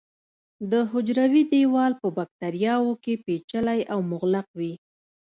د حجروي دیوال په باکتریاوو کې پېچلی او مغلق وي.